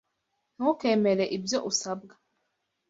Ntukemere ibyo usabwa.